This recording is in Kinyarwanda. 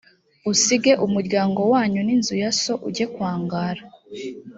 usige umuryango wanyu n’inzu ya so ujye kwangara